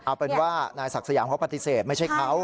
เอาเป็นว่านายศักดิ์สยามเขาปฏิเสธไม่ใช่เขา